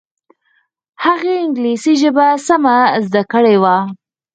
هغې انګلیسي ژبه سمه زده کړې وه